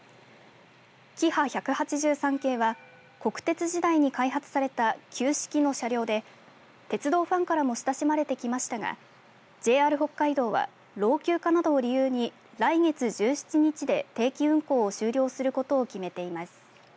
キハ１８３系は国鉄時代に開発された旧式の車両で鉄道ファンからも親しまれてきましたがＪＲ北海道は老朽化などを理由に来月１７日で定期運行を終了することを決めています。